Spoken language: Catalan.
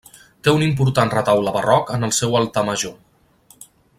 Té un important retaule barroc en el seu altar major.